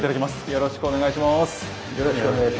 よろしくお願いします。